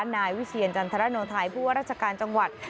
นายวิเชียรจันทรโนไทยผู้ว่าราชการจังหวัด